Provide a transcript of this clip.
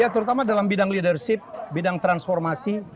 terutama dalam bidang leadership bidang transformasi